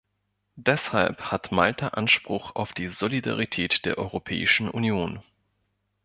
Deshalb hat Malta Anspruch auf die Solidarität der Europäischen Union.